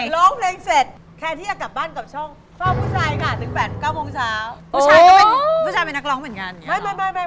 ตอนสาวแลกเทาะแม่